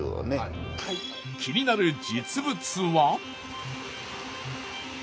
気になる実物は？